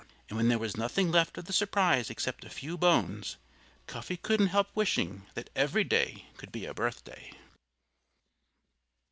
And when there was nothing left of the surprise except a few bones, Cuffy couldn't help wishing that every day could be a birthday.